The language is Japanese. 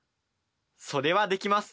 それはできます。